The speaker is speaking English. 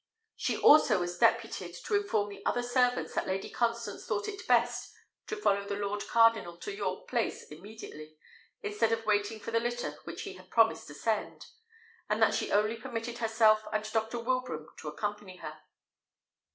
She also was deputed to inform the other servants that Lady Constance thought it best to follow the lord cardinal to York Place immediately, instead of waiting for the litter which he had promised to send, and that she only permitted herself and Dr. Wilbraham to accompany her.